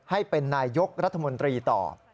ให้เป็นนายยกรัฐมนตรีต่อ